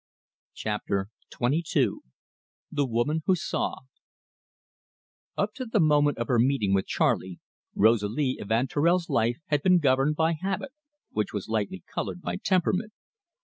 THE WOMAN WHO SAW Up to the moment of her meeting with Charley, Rosalie Evanturel's life had been governed by habit, which was lightly coloured by temperament.